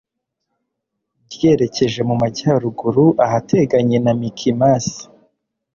ryerekeje mu majyaruguru, ahateganye na mikimasi